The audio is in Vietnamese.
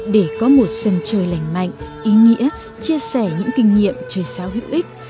để có một sân chơi lành mạnh ý nghĩa chia sẻ những kinh nghiệm chơi sao hữu ích